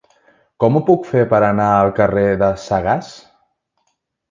Com ho puc fer per anar al carrer de Sagàs?